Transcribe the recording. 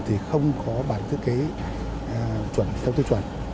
thì không có bản thiết kế theo tiêu chuẩn